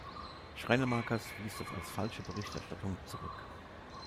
Schreinemakers wies das als falsche Berichterstattung zurück.